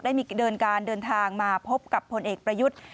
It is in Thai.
เดินการเดินทางมาพบกับพลเอกประยุทธ์